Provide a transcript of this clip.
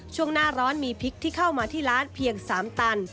ช่วงหน้าร้อนมีพริกที่เข้ามาที่ร้านเพียง๓ตัน